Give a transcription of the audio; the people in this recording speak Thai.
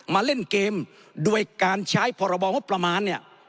มาเล่นเกมด้วยการใช้พรบงบประมาณ